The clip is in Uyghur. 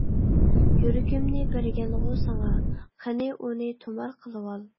يۈرىكىمنى بەرگەنغۇ ساڭا، قېنى ئۇنى تۇمار قىلىۋال!